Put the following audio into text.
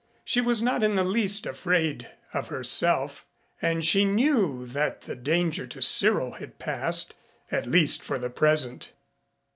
She was not in the least afraid of herself, and she knew that the danger to Cyril had passed at least for the present.